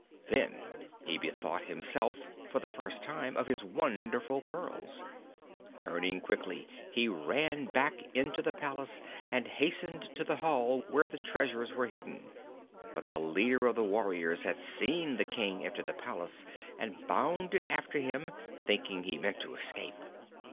Then he bethought himself, for the first time, of his wonderful pearls. Turning quickly, he ran back into the palace and hastened to the hall where the treasures were hidden. But the leader of the warriors had seen the King enter the palace and bounded after him, thinking he meant to escape.